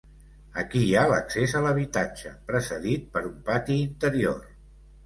Aquí hi ha l'accés a l'habitatge, precedit per un pati interior.